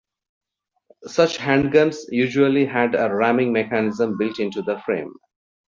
Such handguns usually had a ramming mechanism built into the frame.